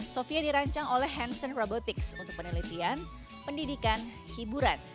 sofia dirancang oleh hansen robotics untuk penelitian pendidikan hiburan